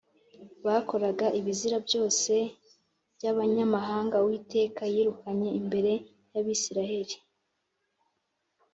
bakoraga ibizira byose by’abanyamahanga Uwiteka yirukanye imbere y’Abisirayeli